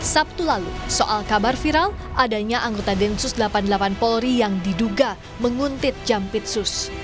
sabtu lalu soal kabar viral adanya anggota densus delapan puluh delapan polri yang diduga menguntit jampitsus